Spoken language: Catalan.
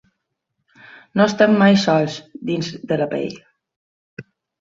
No estem mai sols, dins de la pell.